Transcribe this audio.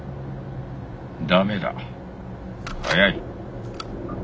駄目だ早い。